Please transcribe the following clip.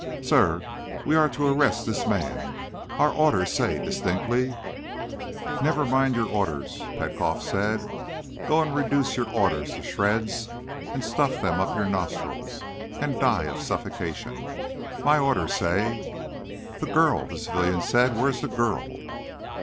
"Sir. We are to arrest this man. Our orders say distinctly—" "Never mind your orders!" Petkoff said. "Go and reduce your orders to shreds and stuff them up your nostrils and die of suffocation! My orders say—" "The girl!" the civilian said. "Where is the girl?"